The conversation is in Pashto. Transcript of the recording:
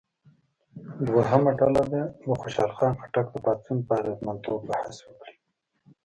دویمه ډله دې د خوشحال خان خټک د پاڅون په اغېزمنتوب بحث وکړي.